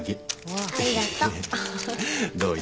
ありがとう。